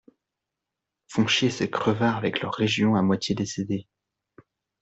Font chier ces crevards avec leurs régions à moitié décédées.